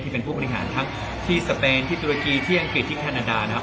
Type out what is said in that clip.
เป็นผู้บริหารทั้งที่สเปนที่ตุรกีที่อังกฤษที่แคนาดานะครับ